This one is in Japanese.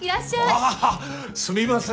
ああすみません。